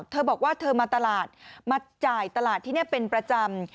เธอบอกว่าเธอมาตลาดมาจ่ายตลาดที่นี่เป็นประจำ